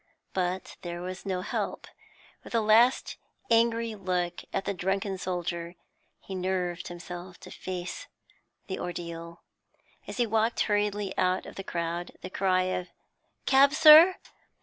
But there was no help; with a last angry look at the drunken soldier, he nerved himself to face the ordeal. As he walked hurriedly out of the crowd, the cry 'Cab, sir?'